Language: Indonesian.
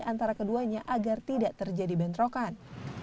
antara keduanya agar tidak terjadi bentrokan